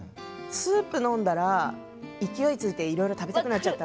スープ飲んだら勢いついていろいろ食べたくなっちゃう。